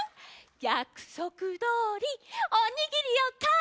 やくそくどおりおにぎりをかえして！